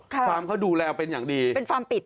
ฟาร์มเขาดูแลเป็นอย่างดีเป็นฟาร์มปิด